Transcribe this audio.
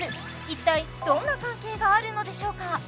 一体どんな関係があるのでしょうか？